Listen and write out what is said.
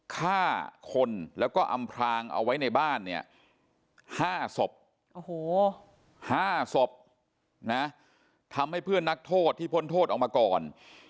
ฆ่าคนแล้วก็อำพรางเอาไว้ในบ้านเนี่ย๕ศพ๕ศพนะทำให้เพื่อนนักโทษที่พ้นโทษออกมาก่อน